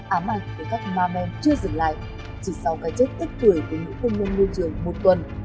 ám ảnh của các ma men chưa dừng lại chỉ sau cái chết tức cười của nữ công nhân nổi trường một tuần